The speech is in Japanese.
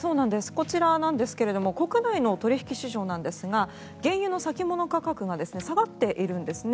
こちら国内の取引市場ですが原油の先物価格が下がっているんですね。